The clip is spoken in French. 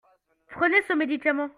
Prenez ce médicament.